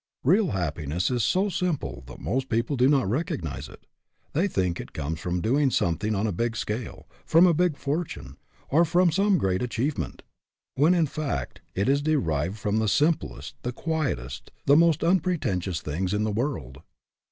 Real happiness is so simple that most people do not recognize it. They think it comes from doing something on a big scale, from a big fortune, or from some great achievement, HAPPY? IF NOT, WHY NOT? 151 when, in fact, it is derived from the simplest, the quietest, the most unpretentious things in the world.